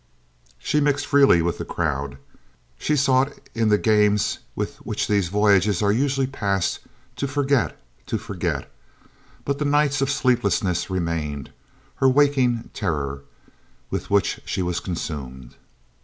She mixed freely with the crowd; she sought, in the games with which these voyages usually are passed, to forget to forget; but the nights of sleeplessness remained her waking terror, with which she was consumed.